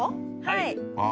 はい。